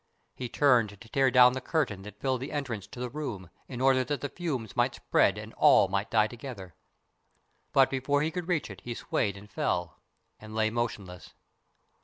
He turned to tear down the curtain that filled the entrance to the room, in order that the fumes might spread and all might die together. But before he could reach it he swayed and fell, and lay motionless.